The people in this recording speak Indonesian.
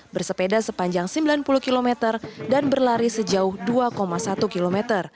bersepeda sepanjang sembilan puluh km dan berlari sejauh dua satu km